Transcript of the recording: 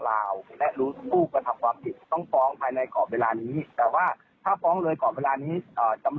เช่นมือที่๓เข้ามายุ่งเกี่ยวกับสามีเรา